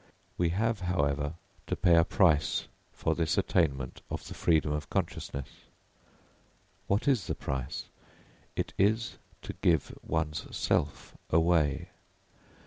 We have, however, to pay a price for this attainment of the freedom of consciousness. What is the price? It is to give one's self away.